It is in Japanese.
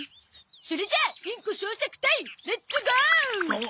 それじゃあインコ捜索隊レッツゴー！